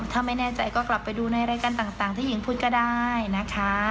ถ้าไม่แน่ใจก็กลับไปดูในรายการต่างที่หญิงพูดก็ได้นะคะ